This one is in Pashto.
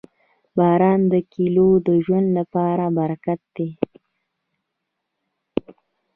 • باران د کلیو د ژوند لپاره برکت دی.